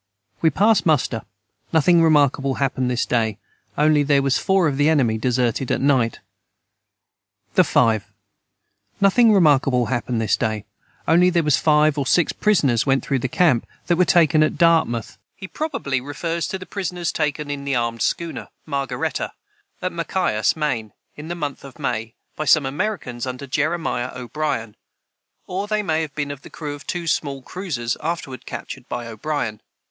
We past muster nothing remarkble hapened this day onely their was four of the enemy deserted at night. the 5. Nothing remarkable hapened this day onely their was 5 or 6 prisoners went through the camp that were taken at Dartmouth on board the prize that our men took. [Footnote 165: He probably refers to the prisoners taken in the armed schooner Margaretta, at Machias, Maine, in the month of May, by some Americans under Jeremiah O'Brien; or they may have been of the crew of two small cruisers afterward captured by O'Brien.